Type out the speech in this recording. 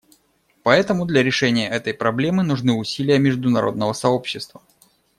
Поэтому для решения этой проблемы нужны усилия международного сообщества.